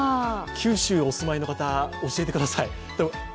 九州お住まいの方、教えてください。